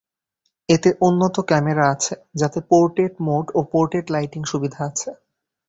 এতে উন্নত ক্যামেরা আছে যাতে পোর্টেট মোড ও পোর্টেট লাইটিং সুবিধা আছে।